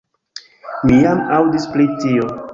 Mi jam aŭdis pri tio.